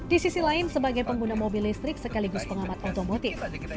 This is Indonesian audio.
di sisi lain sebagai pengguna mobil listrik sekaligus pengamat otomotif